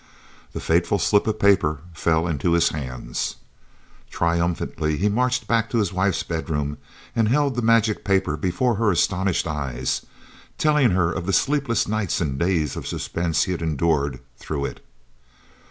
The fateful slip of paper fell into his hands! Triumphantly he marched back to his wife's bedroom and held the magic paper before her astonished eyes, telling her of the sleepless nights and days of suspense he had endured through it.